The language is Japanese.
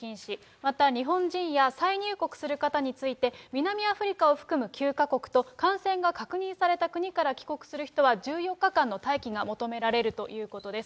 また日本人や再入国する方について、南アフリカを含む９か国と、感染が確認された国から帰国する人は、１４日間の待機が求められるということです。